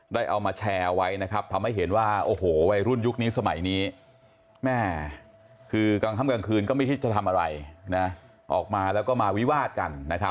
เอามาแชร์เอาไว้นะครับทำให้เห็นว่าโอ้โหวัยรุ่นยุคนี้สมัยนี้แม่คือกลางค่ำกลางคืนก็ไม่คิดจะทำอะไรออกมาแล้วก็มาวิวาดกัน